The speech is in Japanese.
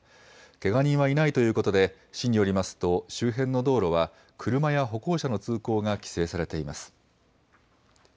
けが人はいないということで、市によりますと、周辺の道路は車や歩行者の通行が規制されています。